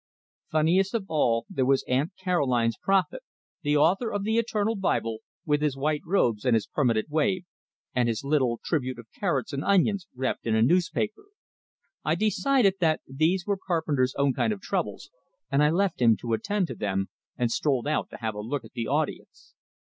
Funniest of all, there was Aunt Caroline's prophet, the author of the "Eternal Bible," with his white robes and his permanent wave, and his little tribute of carrots and onions wrapped in a newspaper. I decided that these were Carpenter's own kind of troubles, and I left him to attend to them, and strolled out to have a look at the audience.